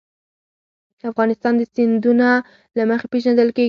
افغانستان د سیندونه له مخې پېژندل کېږي.